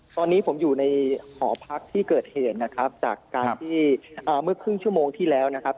ตอนนี้ผมอยู่ในหอพักที่เกิดเหตุนะครับจากการที่เมื่อครึ่งชั่วโมงที่แล้วนะครับ